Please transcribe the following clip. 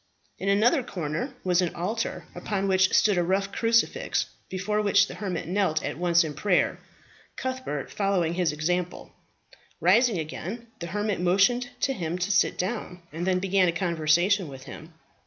In another corner was an altar, upon which stood a rough crucifix, before which the hermit knelt at once in prayer, Cuthbert following his example. Rising again, the hermit motioned to him to sit down, and then began a conversation with him.